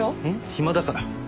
暇だから。